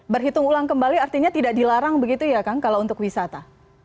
berhitung ulang kembali artinya tidak dilarang begitu ya kang kalau untuk wisata